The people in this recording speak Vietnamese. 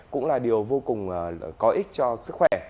cũng là điều vô cùng có ích cho sức khỏe